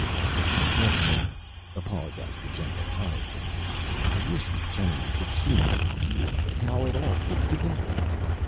"Yes, sir," apologized the general tiredly. "I wish you gentlemen could see my view of it, how it all fits together.